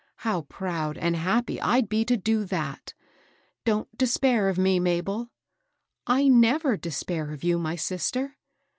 How proud and happy I'd be to do that I Don't despair of me, Mabel. "" I never despair of you, my sister."